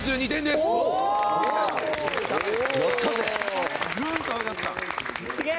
すげえ！